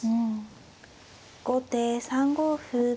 後手３五歩。